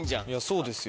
そうですよ。